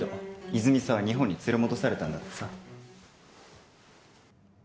泉さんは日本に連れ戻されたんだってさ。